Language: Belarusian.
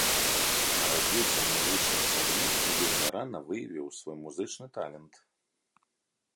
Нарадзіўся ў музычнай сям'і і вельмі рана выявіў свой музычны талент.